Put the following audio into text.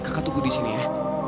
kakak tunggu disini ya